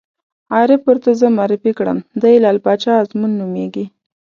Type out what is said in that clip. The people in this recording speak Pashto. عارف ور ته زه معرفي کړم: دی لعل باچا ازمون نومېږي.